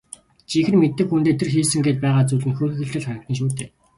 Жинхэнэ мэддэг хүндээ тэр хийсэн гээд байгаа зүйл нь хөөрхийлөлтэй л харагдана шүү дээ.